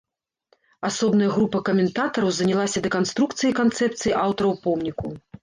Асобная група каментатараў занялася дэканструкцыяй канцэпцыі аўтараў помніку.